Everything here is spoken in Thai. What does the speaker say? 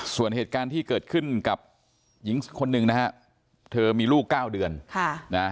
ส่วนเหตุการณ์ที่เกิดขึ้นกับหญิงคนหนึ่งนะฮะเธอมีลูก๙เดือน